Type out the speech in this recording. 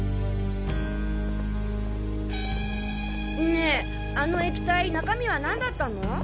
ねえあの液体中身はなんだったの？